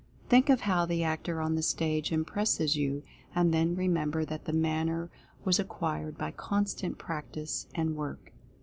Think of how the actor on the stage impresses you — and then remember that the manner was acquired by constant practice, and work.